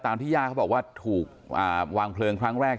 ที่ย่าเขาบอกว่าถูกวางเพลิงครั้งแรก